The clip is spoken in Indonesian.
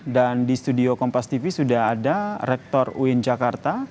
dan di studio kompas tv sudah ada rektor uin jakarta